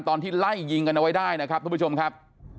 ตอนที่ไล่ยิงกันเอาไว้ได้นะครับทุกผู้ชมครับ